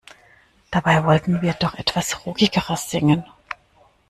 Dabei wollten wir doch etwas Rockigeres singen.